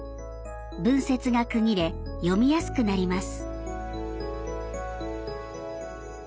文節が区切れ読みやすくなります。